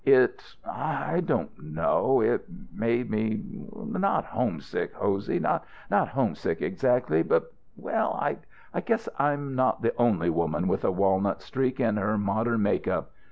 "It I don't know it made me not homesick, Hosey. Not homesick, exactly; but well, I guess I'm not the only woman with a walnut streak in her modern make up.